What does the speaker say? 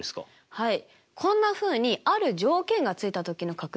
はい。